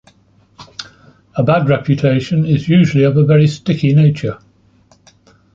A bad reputation is usually of a very sticky nature.